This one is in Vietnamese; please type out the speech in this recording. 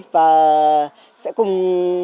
và sẽ cùng